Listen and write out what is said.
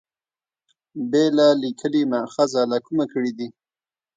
بېله لیکلي مأخذه له کومه کړي دي.